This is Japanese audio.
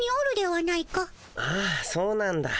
ああそうなんだ。